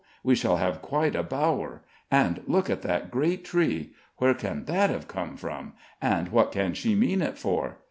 we shall have quite a bower; and look at that great tree; where can that have come from, and what can she mean it for?